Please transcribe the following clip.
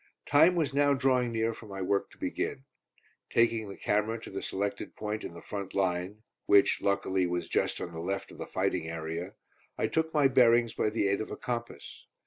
Time was now drawing near for my work to begin. Taking the camera to the selected point in the front line, which, luckily, was just on the left of the fighting area, I took my bearings by the aid of a compass.